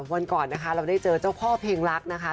วันก่อนนะคะเราได้เจอเจ้าพ่อเพลงลักษณ์นะคะ